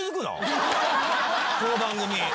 この番組。